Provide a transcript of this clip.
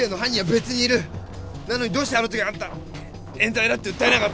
なのにどうしてあのときあんた冤罪だって訴えなかったんだよ！？